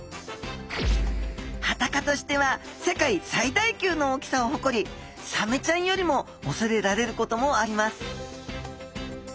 ハタ科としては世界最大級の大きさをほこりサメちゃんよりもおそれられることもあります